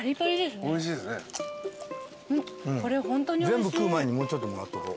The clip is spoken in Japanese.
全部食う前にもうちょっともらっとこう。